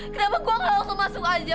kenapa gue gak langsung masuk aja